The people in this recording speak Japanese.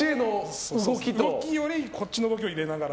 こっちの動きを入れながら。